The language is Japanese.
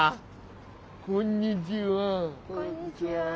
こんにちは。